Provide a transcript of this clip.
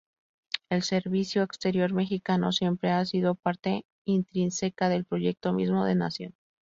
El Servicio Exterior Mexicano siempre ha sido parte intrínseca del proyecto mismo de Nación.